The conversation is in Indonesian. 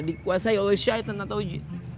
dikuasai oleh syaitan atau jin